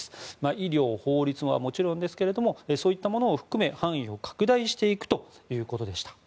医療、法律はもちろんですがそういったものを含め範囲を拡大していくということでした。